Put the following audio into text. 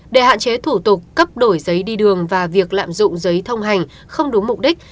để hạn chế thủ tục cấp đổi giấy đi đường và việc lạm dụng giấy thông hành không đúng mục đích